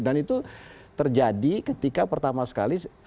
dan itu terjadi ketika pertama sekali